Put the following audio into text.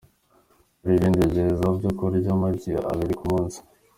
Dore ibindi byiza byo kurya amagi abiri ku munsi.